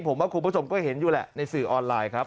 ผมว่าคุณผู้ชมก็เห็นอยู่แหละในสื่อออนไลน์ครับ